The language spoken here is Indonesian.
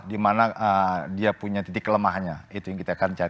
di mana dia punya titik kelemahannya itu yang kita akan cari